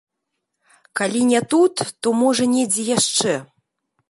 Калі не тут, то можа недзе яшчэ.